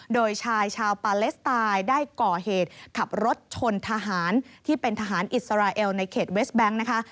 โดยชายชาวปาเลสไตน์ได้ก่อเหตุขับรถชนทหารที่เป็นทหารอิสราเอลในเขตเวสแบงค์นะคะ